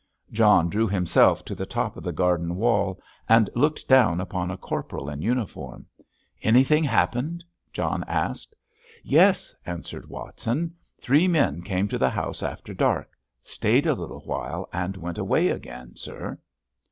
John drew himself to the top of the garden wall and looked down upon a corporal in uniform. "Anything happened?" John asked. "Yes," answered Watson; "three men came to the house after dark, stayed a little while, and went away again, sir."